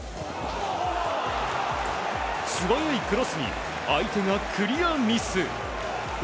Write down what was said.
素早いクロスに相手がクリアミス。